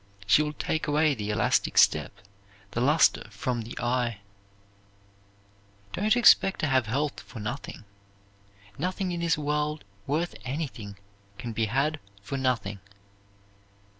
She will take away the elastic step, the luster from the eye. Don't expect to have health for nothing. Nothing in this world worth anything can be had for nothing.